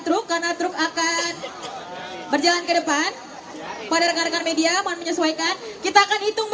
truk karena truk akan berjalan ke depan pada rekan rekan media mohon menyesuaikan kita akan hitung